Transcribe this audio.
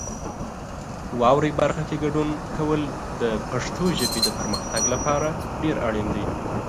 واورئ برخه کې ګډون کول د پښتو ژبې د پرمختګ لپاره ډېر اړین دی.